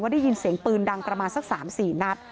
ได้ยินเสียงปืนดังประมาณสัก๓๔นัด